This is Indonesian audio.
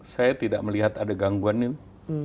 saya tidak melihat ada gangguan itu